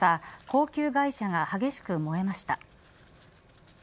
高級外車が激しく燃えました。